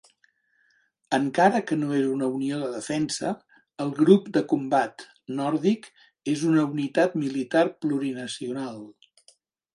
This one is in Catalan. Encara que no és una unió de defensa, el Grup de Combat Nòrdic és una unitat militar plurinacional.